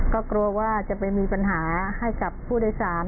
ก็กลัวว่าจะไปมีปัญหาให้กับผู้โดยสาร